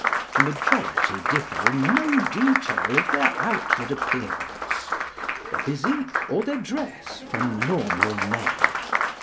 The majority differ in no detail of their outward appearance, their physique, or their dress from normal men.